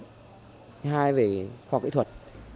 thứ hai là về khoa kỹ thuật